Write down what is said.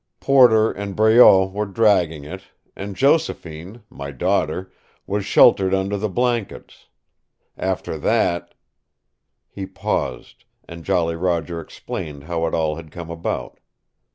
Porter and Breault were dragging it, and Josephine, my daughter, was sheltered under the blankets. After that " He paused, and Jolly Roger explained how it all had come about.